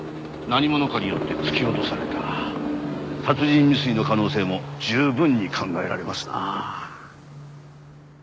何者かによって突き落とされた殺人未遂の可能性も十分に考えられますなあ。